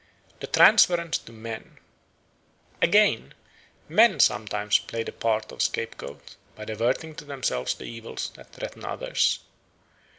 The Transference to Men AGAIN, men sometimes play the part of scapegoat by diverting to themselves the evils that threaten others.